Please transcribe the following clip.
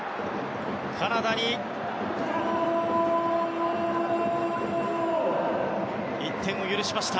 カナダに１点を許しました。